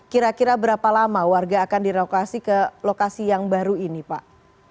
kira kira berapa lama warga akan direlokasi ke lokasi yang baru ini pak